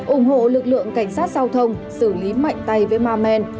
ủng hộ lực lượng cảnh sát giao thông xử lý mạnh tay với ma men